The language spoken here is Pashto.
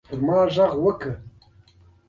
پر ما برغ وکړه.